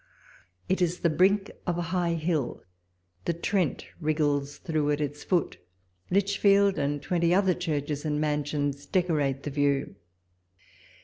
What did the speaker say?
It is the brink of a high hill ; the Trent wriggles through at the foot ; Lichfield and twenty other churches and mansions decorate the view.